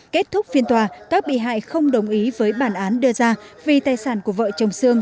kết thúc phiên tòa các bị hại không đồng ý với bản án đưa ra vì tài sản của vợ chồng sương